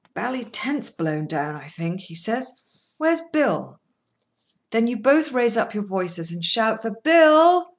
"Bally tent's blown down, I think," he says. "Where's Bill?" Then you both raise up your voices and shout for "Bill!"